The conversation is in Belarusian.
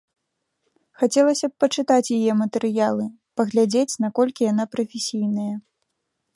Хацелася б пачытаць яе матэрыялы, паглядзець наколькі яна прафесійная.